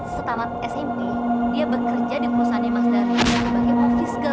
setelah smp dia bekerja di perusahaan mas danuri sebagai pelfisgal